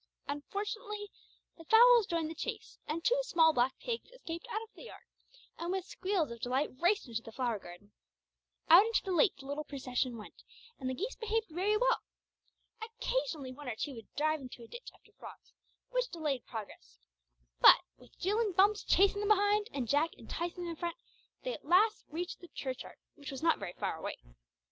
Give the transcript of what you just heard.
Unfortunately, the fowls joined the chase, and two small black pigs escaped out of the yard and with squeals of delight raced into the flower garden. Out into the lane the little procession went, and the geese behaved very well. Occasionally one or two would dive into a ditch after frogs, which delayed progress, but with Jill and Bumps chasing them behind, and Jack enticing them in front, they at last reached the church yard, which was not very far away.